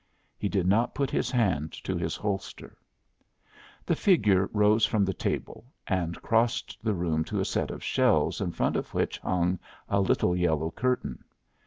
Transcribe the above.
He did not put his hand to his holster. The figure rose from the table, and crossed the room to a set of shelves in front of which hung a little yellow curtain.